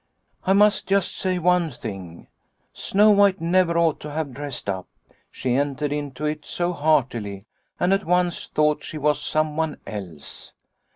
" I must just say one thing. Snow White never ought to have dressed up. She entered into it so heartily and at once thought she was someone else.